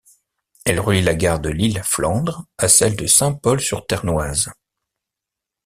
Elle relie la gare de Lille-Flandres à celle de Saint-Pol-sur-Ternoise.